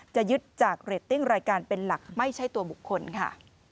จะยึดจากเรตติ้งรายการเป็นหลักไม่ใช่ตัวบุคคลค่ะ